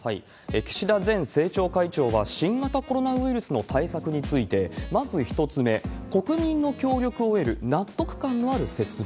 岸田前政調会長は、新型コロナウイルスの対策について、まず１つ目、国民の協力を得る、納得感のある説明。